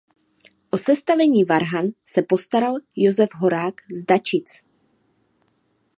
O sestavení varhan se postaral Josef Horák z Dačic.